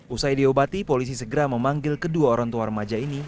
usai diobati polisi segera memanggil kedua orang tua remaja ini